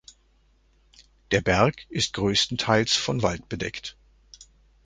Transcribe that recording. Der Berg ist größtenteils von Wald bedeckt.